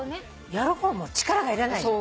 やる方も力がいらないの。